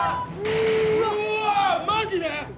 うわあマジで！？